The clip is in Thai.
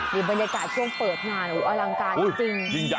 บรรยากาศช่วงเปิดงานอลังการจริง